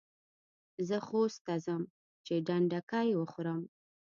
زه خوست ته ځم چي ډنډکۍ وخورم.